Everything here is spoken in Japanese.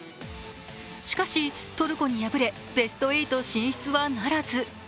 しかしトルコに敗れベスト８進出はならず。